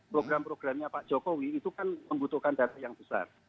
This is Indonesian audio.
program programnya pak jokowi itu kan membutuhkan data yang besar